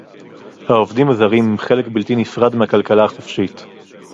העובדים הזרים הם חלק בלתי נפרד מהכלכלה החופשית